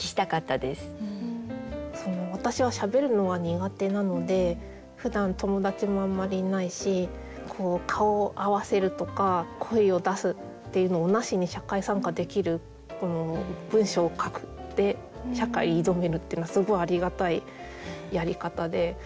私はしゃべるのは苦手なのでふだん友達もあんまりいないし「顔を合わせる」とか「声を出す」っていうのをなしに社会参加できるこの「文章を書く」で社会に挑めるっていうのはすごいありがたいやり方で。